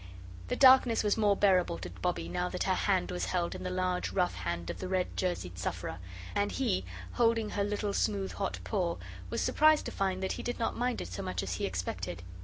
The darkness was more bearable to Bobbie now that her hand was held in the large rough hand of the red jerseyed sufferer; and he, holding her little smooth hot paw, was surprised to find that he did not mind it so much as he expected.